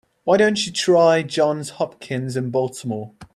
Why don't you try Johns Hopkins in Baltimore?